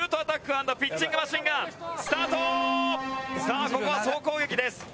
さあここは総攻撃です。